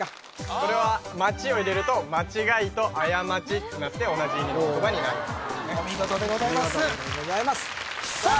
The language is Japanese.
これは「まち」を入れると「まちがい」と「あやまち」になって同じ意味の言葉になるとお見事でございますさあ